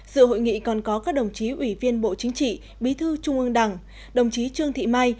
sự hội nghị còn có các đồng chí ủy viên bộ chính trị bí thư trung ương đảng đồng chí trương thị mai